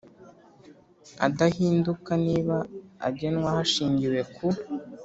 Adahinduka niba agenwa hashingiwe ku